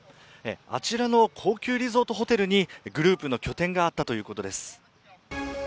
あちらの高級リゾートホテルにグループの拠点があったということです。